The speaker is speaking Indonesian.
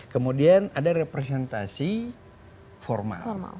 kemudian ada representasi formal